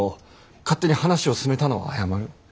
勝手に話を進めたのは謝る。